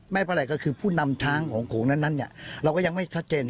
แม่แปลกก็คือผู้นำทางของโขงนั้นเราก็ยังไม่ชัดเจน